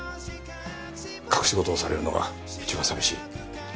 隠し事をされるのが一番寂しい。